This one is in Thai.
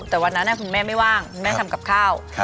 แต่วันหน้าแม่ไม่ว่างทำกับไข้าว